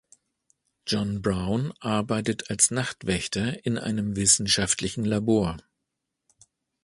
John Brown arbeitet als Nachtwächter in einem wissenschaftlichen Labor.